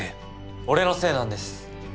俺のせいなんです。